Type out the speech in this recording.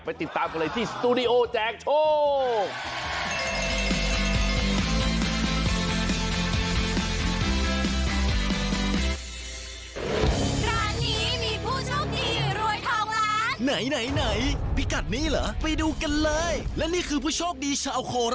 ติดตามกันเลยที่สตูดิโอแจกโชค